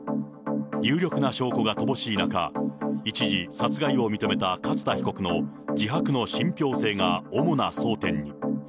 有力な証拠が乏しい中、一時、殺害を認めた勝田被告の自白の信ぴょう性が主な争点に。